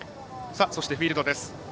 そしてフィールドです。